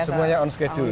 semuanya on schedule